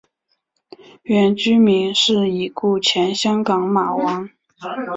原居民是已故前香港马王。